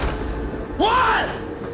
おい！！